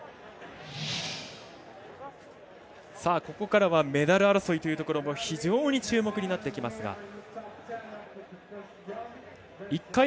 ここからはメダル争いというところも非常に注目になってきますが。